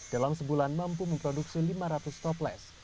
dalam sebulan mampu memproduksi lima ratus topless